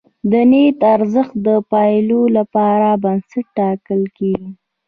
د نیت ارزښت د پایلو پر بنسټ ټاکل کېږي.